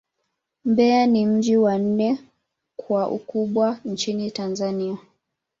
Mbeya ni mji wa nne kwa ukubwa nchini Tanzania.